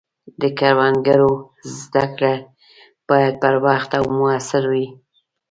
د کروندګرو زده کړې باید پر وخت او موثر وي.